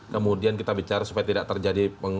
kemudian kita bicara supaya tidak terjadi